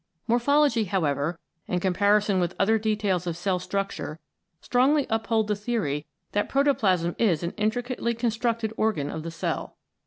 Morphology, however, and comparison with other details of cell structure strongly uphold the theory that protoplasm is an intricately con structed organ of the cell.